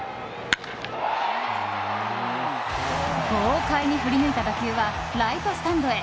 豪快に振り抜いた打球はライトスタンドへ。